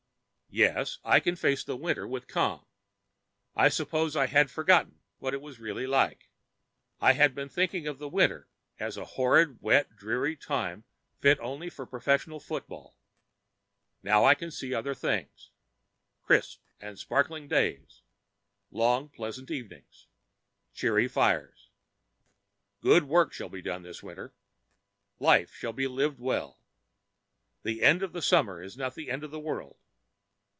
Yes, I can face the winter with calm. I suppose I had forgotten what it was really like. I had been thinking of the winter as a horrid wet, dreary time fit only for professional football. Now I can see other things crisp and sparkling days, long pleasant evenings, cheery fires. Good work shall be done this winter. Life shall be lived well. The end of the summer is not the end of the world.